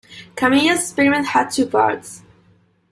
Kamiya's experiment had two parts.